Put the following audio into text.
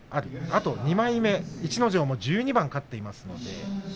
あと２枚目、逸ノ城も１２番勝っています。